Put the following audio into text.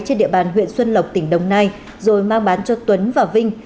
trên địa bàn huyện xuân lộc tỉnh đồng nai rồi mang bán cho tuấn và vinh